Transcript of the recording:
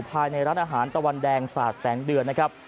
ภายในร้านอาหารตะวันแดงสาดแสงเดือนนะครับ